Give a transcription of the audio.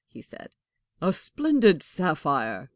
he said. "A splendid sapphire!"